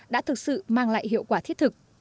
đã thực sự mang lại hiệu quả thiết thực